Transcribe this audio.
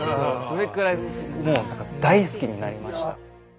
それくらいもう大好きになりました。